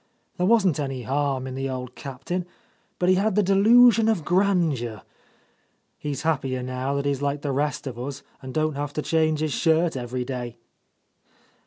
There wasn't any harm in the old Captain, but he had the delusion of grandeur. He's hap pier now that he's like the rest of us and don't have to change his shirt every day."